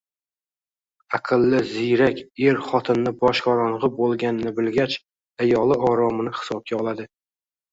Aqlli, ziyrak er xotini boshqorong‘i bo‘lganini bilgach, ayoli oromini hisobga oladi.